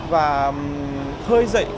và hơi dậy